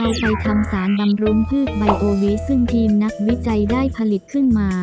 ไปทำสารบำรุงพืชไบโอเวสซึ่งทีมนักวิจัยได้ผลิตขึ้นมา